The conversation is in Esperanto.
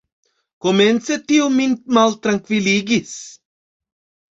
Komence tio min maltrankviligis.